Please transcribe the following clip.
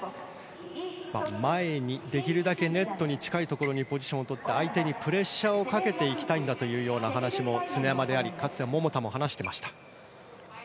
前に、できるだけネットに近いところにポジションをとって相手にプレッシャーをかけていきたいという話も常山でありかつては桃田も話していました。